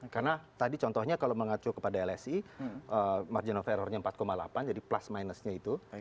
karena tadi contohnya kalau mengacu kepada lsi margin of errornya empat delapan jadi plus minusnya itu